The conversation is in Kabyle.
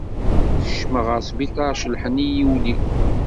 Kecmeɣ ɣer sbitaṛ celḥen-iyi ul-iw.